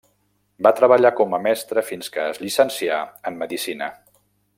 Va treballar com a mestre fins que es llicencià en medicina.